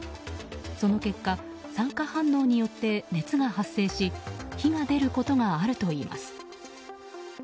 その結果酸化反応によって熱が発生し火が出ることがあるといいます。